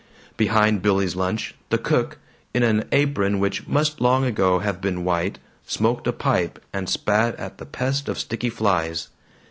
Behind Billy's Lunch, the cook, in an apron which must long ago have been white, smoked a pipe and spat at the pest of sticky flies.